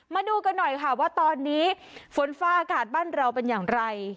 มาดูกันหน่อยค่ะว่าตอนนี้ฝนฟ้าอากาศบ้านเราเป็นอย่างไร